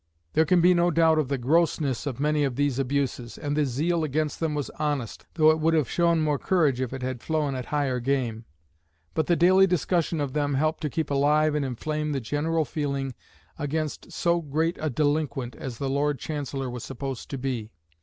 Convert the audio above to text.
There can be no doubt of the grossness of many of these abuses, and the zeal against them was honest, though it would have shown more courage if it had flown at higher game; but the daily discussion of them helped to keep alive and inflame the general feeling against so great a "delinquent" as the Lord Chancellor was supposed to be.